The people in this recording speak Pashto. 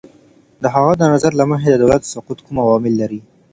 د هغه د نظر له مخې، د دولت سقوط کوم عوامل لري؟